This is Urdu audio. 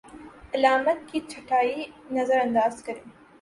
علامات کی چھٹائی نظرانداز کریں